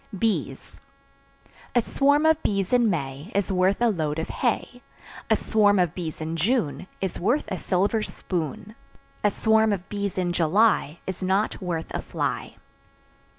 Bees. A swarm of bees in May Is worth a load of hay; A swarm of bees in June Is worth a silver spoon; A swarm of bees in July Is not worth a fly.